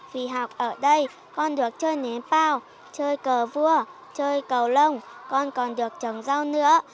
vì học ở đây con được chơi nén phao chơi cờ vua chơi cầu lông con còn được trồng rau nữa